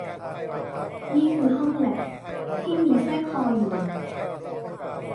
นี่คือห้องแล็ปที่มีสร้อยคออยู่